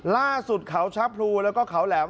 ล่าสุดเขาชะพรูแล้วก็เขาแหลม